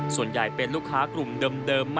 ส่วนใหญ่เป็นลูกค้ากลุ่มเดิม